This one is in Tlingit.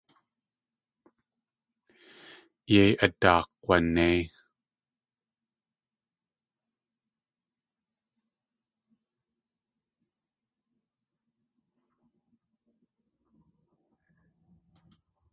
Yéi adaakg̲wanéi.